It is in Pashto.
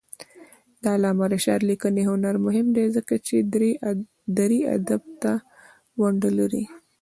د علامه رشاد لیکنی هنر مهم دی ځکه چې دري ادب ته ونډه لري.